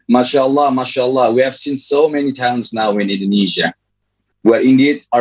masya allah masya allah kita telah melihat banyak orang sekarang di indonesia di mana mereka benar benar